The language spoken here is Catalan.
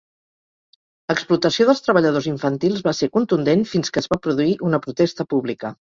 L'explotació dels treballadors infantils va ser contundent fins que es va produir una protesta pública.